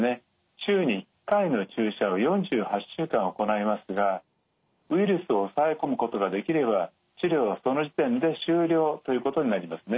週に１回の注射を４８週間行いますがウイルスを抑え込むことができれば治療はその時点で終了ということになりますね。